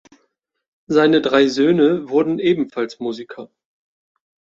Seine drei Söhne wurden ebenfalls Musiker.